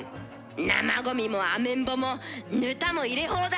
生ゴミもアメンボもぬたも入れ放題。